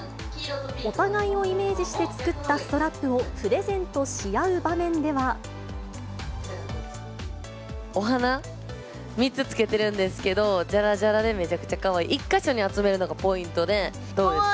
お互いをイメージして作ったストラップをプレゼントし合う場面でお花３つ付けてるんですけど、じゃらじゃらでめちゃくちゃかわいい、１か所に集めるのがポイントで、どうですか？